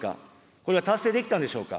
これは達成できたんでしょうか。